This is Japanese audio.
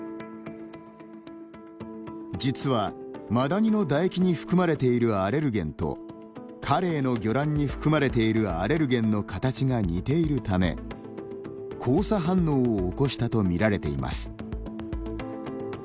実はマダニの唾液に含まれているアレルゲンとカレイの魚卵に含まれているアレルゲンの形が似ているため交差反応を起こしたと見られています。